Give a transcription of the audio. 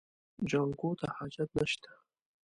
جانکو ته حاجت نشته.